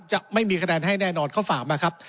จะมีคะแนนให้แน่นอนเขาฝากมาครับ